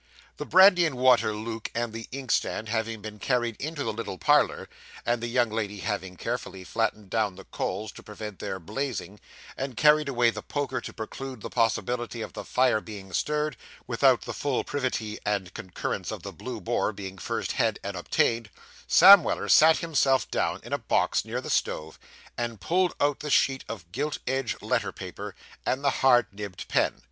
The brandy and water luke, and the inkstand, having been carried into the little parlour, and the young lady having carefully flattened down the coals to prevent their blazing, and carried away the poker to preclude the possibility of the fire being stirred, without the full privity and concurrence of the Blue Boar being first had and obtained, Sam Weller sat himself down in a box near the stove, and pulled out the sheet of gilt edged letter paper, and the hard nibbed pen.